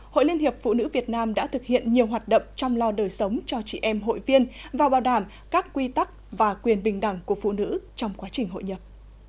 hội liên hiệp phụ nữ việt nam đã thực hiện nhiều hoạt động trong lo đời sống cho chị em hội viên và bảo đảm các quy tắc và quyền bình đẳng của phụ nữ trong quá trình hội nhập